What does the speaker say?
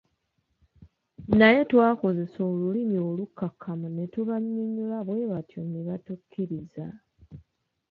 Naye twakozesa olulimi olukakkamu ne tubanyonnyola bwebatyo ne batukkiriza.